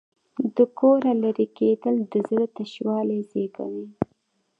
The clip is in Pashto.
د کوره لرې کېدل د زړه تشوالی زېږوي.